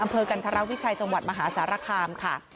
อำเภอกันธรวิชัยจังหวัดมหาสารคามค่ะ